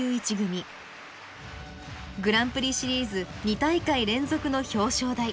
グランプリシリーズ２大会連続の表彰台。